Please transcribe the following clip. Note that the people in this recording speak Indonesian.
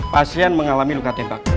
pasien mengalami luka tembak